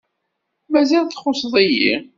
Mazal txuṣṣeḍ-iyi.